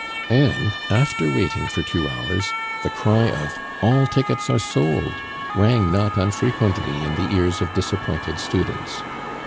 And after waiting for two hours, the cry of "All tickets are sold!" rang not unfrequently in the ears of disappointed students.